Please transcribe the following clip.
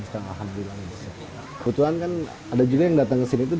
optimya hari ini benar saja mendekati fungsi agar tersenyum